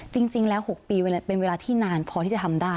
จริงแล้ว๖ปีเป็นเวลาที่นานพอที่จะทำได้